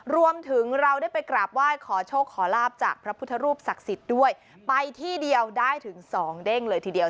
รวมถึงเราได้ไปกราบไหว้ขอโชคขอลาบจากพระพุทธรูปศักดิ์สิทธิ์ด้วยไปที่เดียวได้ถึงสองเด้งเลยทีเดียว